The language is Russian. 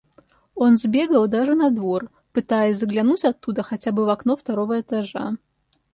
Он сбегал даже на двор, пытаясь заглянуть оттуда хотя бы в окно второго этажа.